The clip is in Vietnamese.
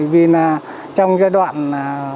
vì là trong giai đoạn